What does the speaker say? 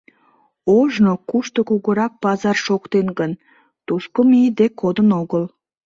Ожно кушто кугурак пазар шоктен гын, тушко мийыде кодын огыл.